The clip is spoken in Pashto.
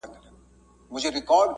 په ناوړه ډول تر سره کېږي